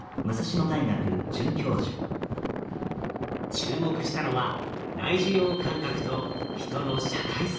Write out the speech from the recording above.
注目したのは内受容感覚と人の社会性。